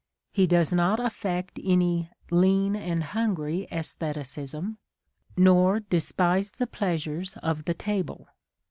He does not affect any lean and hungry" asstheti cism, nor despise the pleasures of the table.